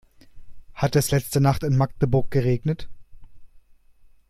Hat es letzte Nacht in Magdeburg geregnet?